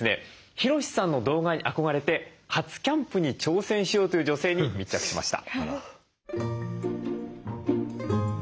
ヒロシさんの動画に憧れて初キャンプに挑戦しようという女性に密着しました。